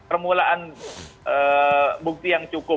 permulaan bukti yang cukup